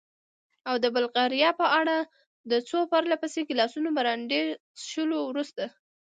او د بلغاریا په اړه؟ د څو پرله پسې ګیلاسو برانډي څښلو وروسته.